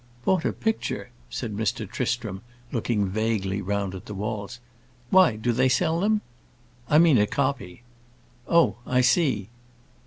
"Bought a picture?" said Mr. Tristram, looking vaguely round at the walls. "Why, do they sell them?" "I mean a copy." "Oh, I see.